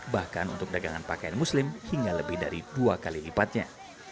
bahkan untuk dagangan pakaian muslim hingga lebih dari dua kali lipatnya